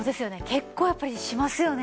結構やっぱりしますよね。